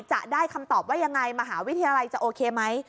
จะได้คำตอบว่ายังไงมหาวิทยาลัยจะโอเคไหม